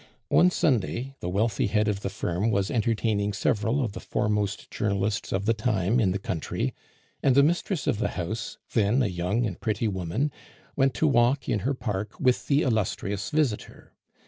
One Sunday the wealthy head of the firm was entertaining several of the foremost journalists of the time in the country, and the mistress of the house, then a young and pretty woman, went to walk in her park with the illustrious visitor.